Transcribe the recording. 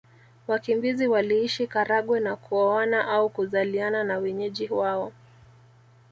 Wakimbizi waliishi Karagwe na kuoana au kuzaliana na wenyeji wao